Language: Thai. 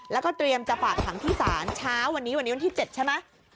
แล้วก็เตรียมจะฝากขังที่ศาลเช้าวันนี้วันนี้วันที่๗ใช่ไหม